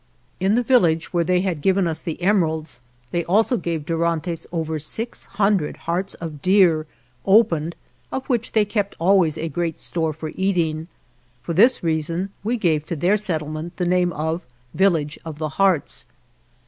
In the village where they had given us the emeralds, they also gave Dorantes over six hundred hearts of deer, opened, of which they kept always a great store for eating. For this reason we gave to their settlement the name of "village of the hearts."